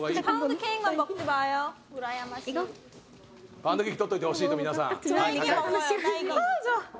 パウンドケーキ取っておいてほしいと皆さん。